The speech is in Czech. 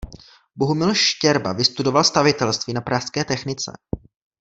Bohumil Štěrba vystudoval stavitelství na pražské technice.